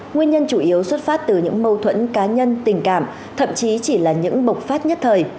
nguyên nhân chủ yếu xuất phát từ những mâu thuẫn cá nhân tình cảm thậm chí chỉ là những bộc phát nhất thời